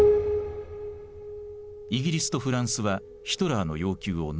イギリスとフランスはヒトラーの要求をのんだ。